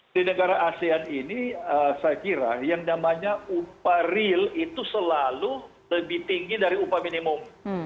di negara asean ini saya kira yang namanya upah real itu selalu lebih tinggi dari upah minimum